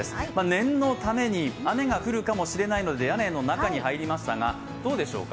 念のために、雨が降るかもしれないので、屋根の中に入りましたが、どうでしょうか。